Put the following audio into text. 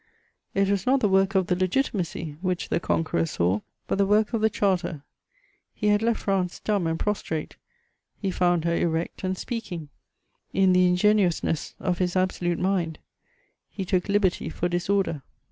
It was not the work of the Legitimacy which the conqueror saw, but the work of the Charter; he had left France dumb and prostrate, he found her erect and speaking: in the ingenuousness of his absolute mind, he took liberty for disorder.